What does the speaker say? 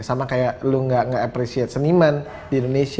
sama seperti kamu tidak mengapresiasikan seniman di indonesia